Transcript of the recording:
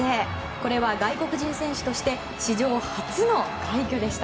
これは外国人選手として史上初の快挙でした。